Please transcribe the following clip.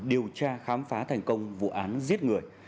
điều tra khám phá thành công vụ án giết người